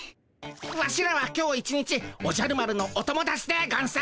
ワシらは今日一日おじゃる丸のお友だちでゴンス。